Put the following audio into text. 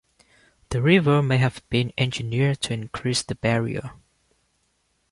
The river may have been engineered to increase the barrier.